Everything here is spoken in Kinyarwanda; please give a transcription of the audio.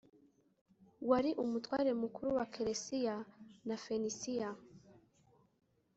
wari umutware mukuru wa kelesiriya na fenisiya